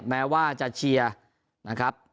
แม้ว่าจะเชียร์นะครับ